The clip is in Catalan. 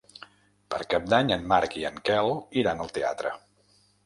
Per Cap d'Any en Marc i en Quel iran al teatre.